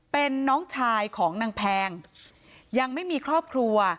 เป็นน้องชายของนางแพงยังไม่มีครอบครัว